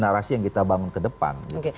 narasi yang kita bangun ke depan